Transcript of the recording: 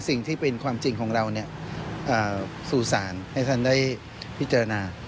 สิ่งที่เป็นความจริงของเราสู่ศาลให้ท่านได้พิจารณา